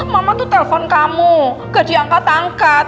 mama tuh telpon kamu gak diangkat angkat